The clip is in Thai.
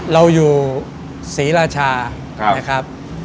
เราอยู่ศรีราชานะครับ